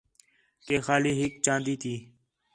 کہ خالی ہِک چاندی تی